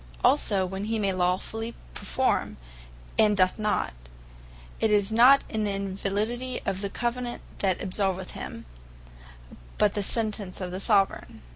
Also, when he may lawfully performe, and doth not, it is not the Invalidity of the Covenant, that absolveth him, but the Sentence of the Soveraign.